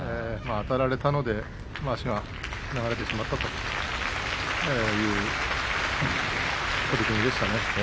あたれたので足が流れてしまったという取組でしたね。